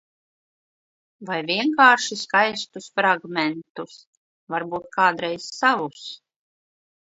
Vai vienkārši skaistus fragmentus. Varbūt kādreiz savus.